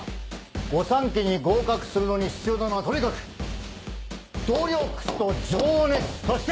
御三家に合格するのに必要なのはとにかく努力と情熱そして。